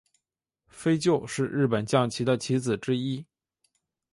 飞鹫是日本将棋的棋子之一。